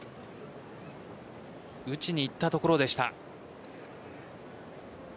打ちにいったところでした。